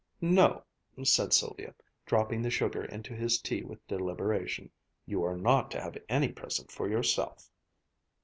"No," said Sylvia, dropping the sugar into his tea with deliberation. "You are not to have any present for yourself."